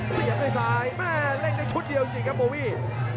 เสียบด้วยซ้ายแม่เล่นได้ชุดเดียวจริงครับโบวี่